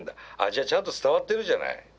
じゃあちゃんと伝わってるじゃない。